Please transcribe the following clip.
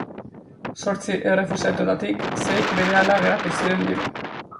Zortzi errefuxiatuetatik sei berehala geratu ziren libre.